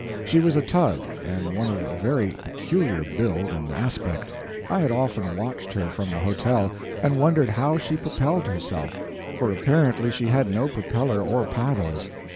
She was a tug, and one of a very peculiar build and aspect. I had often watched her from the hotel, and wondered how she propelled herself, for apparently she had no propeller or paddles.